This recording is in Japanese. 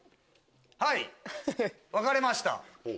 はい分かれました。